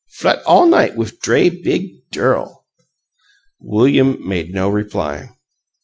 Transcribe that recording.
Flut all night wif dray bid dirl!" William made no reply.